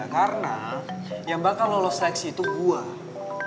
karena yang bakal lolos leksi itu gue